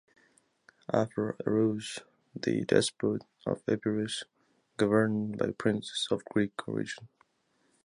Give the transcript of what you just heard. After arose the Despot of Epirus, governed by princes of Greek origin.